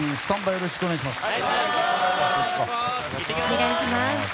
よろしくお願いします。